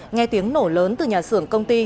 nghe tiếng nổ lớn từ nhà sưởng công ty